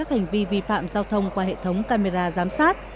các hành vi vi phạm giao thông qua hệ thống camera giám sát